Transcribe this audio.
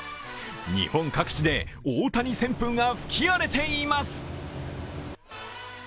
日本各地で大谷旋風が吹き荒れています。